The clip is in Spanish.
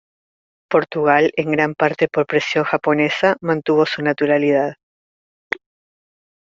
Portugal, en gran parte por presión japonesa, mantuvo su neutralidad.